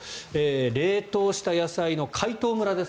冷凍した野菜の解凍むらです。